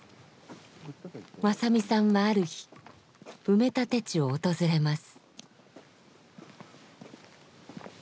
正実さんはある日埋め立て地を訪れます。